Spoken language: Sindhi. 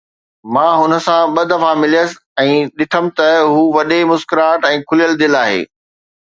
مان هن سان ٻه دفعا مليس ۽ ڏٺم ته هو وڏي مسڪراهٽ ۽ کليل دل آهي.